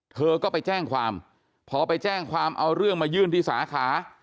เธอก็ไปแจ้งความพอไปแจ้งความเอาเรื่องมายื่นที่สาขา